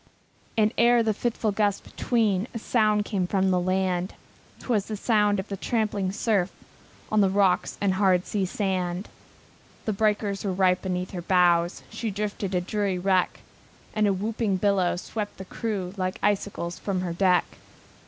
And ever the fitful gusts between A sound came from the land; It was the sound of the trampling surf, On the rocks and the hard sea sand. The breakers were right beneath her bows, She drifted a weary wreck, And a whooping billow swept the crew Like icicles from her deck.